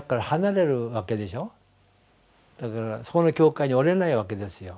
だからそこの教会におれないわけですよ。